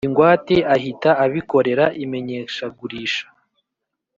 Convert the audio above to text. Ingwate ahita abikorera imenyeshagurisha